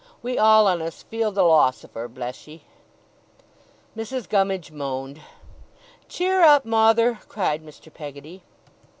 We all on us feel the loss of her, bless ye!' Mrs. Gummidge moaned. 'Cheer up, Mawther!' cried Mr. Peggotty.